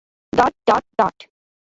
Dot dot dot.